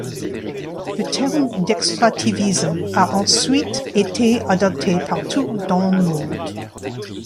Le terme d'extractivisme a ensuite été adopté partout dans le monde.